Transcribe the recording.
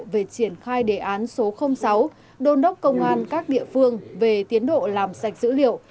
về triển khai đề án số sáu đôn đốc công an các địa phương về tiến độ làm sạch dữ liệu